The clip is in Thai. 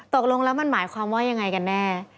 ตกลงแล้วมันหมายความว่ายังไงกันแน่